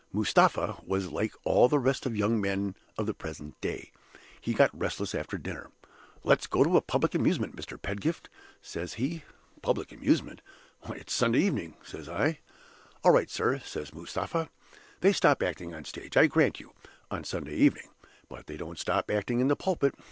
"Mustapha was like all the rest of you young men of the present day he got restless after dinner. 'Let's go to a public amusement, Mr. Pedgift,' says he. 'Public amusement? Why, it's Sunday evening!' says I. 'All right, sir,' says Mustapha. 'They stop acting on the stage, I grant you, on Sunday evening but they don't stop acting in the pulpit.